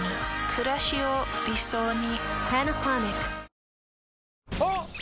くらしを理想に。